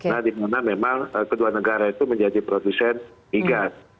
nah di mana memang kedua negara itu menjadi produsen migas